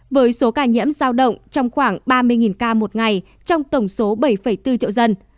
với số ca nhiễm giao động trong khoảng ba mươi ca một ngày trong tổng số bảy bốn triệu dân